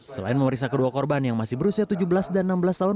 selain memeriksa kedua korban yang masih berusia tujuh belas dan enam belas tahun